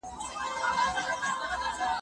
درمل په نړیواله کچه تصویب شوي دي.